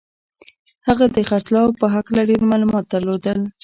هغه د خرڅلاو په هکله ډېر معلومات درلودل